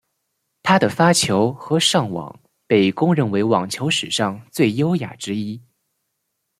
他的发球和上网被公认为网球史上最优雅之一。